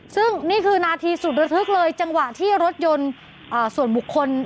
ซึ่งนี่คือนาทีสุดระทึกเลยจังหวะที่รถยนต์ส่วนบุคคล